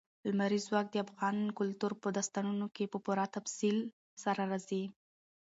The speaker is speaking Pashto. لمریز ځواک د افغان کلتور په داستانونو کې په پوره تفصیل سره راځي.